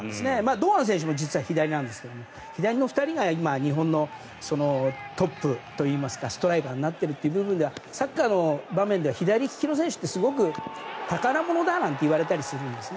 堂安選手も実は左なんですけど左の２人が今、日本のトップといいますかストライカーになっている部分ではサッカーの場面では左利きの選手ってすごく宝物だなんて言われたりするんですね。